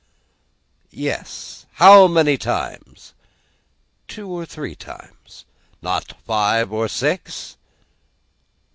Yes. How many times? Two or three times. Not five or six?